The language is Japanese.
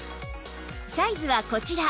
サイズはこちら